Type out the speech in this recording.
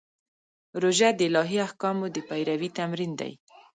روژه د الهي احکامو د پیروي تمرین دی.